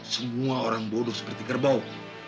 semua orang bodoh seperti kerbau